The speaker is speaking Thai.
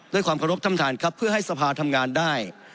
ด้วยความเคารพท่านท่านครับเพื่อให้สภาทำงานได้